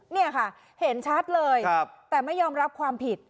เนี่ยค่ะเห็นชัดเลยแต่ไม่ยอมรับความผิด